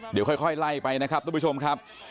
เดี๋ยวค่อยไล่ไปนะครับทุกผู้ชมครับ